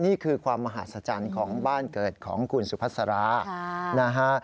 นี่คือความมหาศจรรย์ของบ้านเกิดของคุณสุพัสรานะฮะ